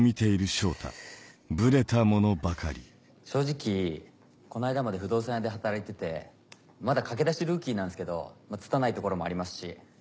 正直この間まで不動産屋で働いててまだ駆け出しルーキーなんすけどつたないところもありますし。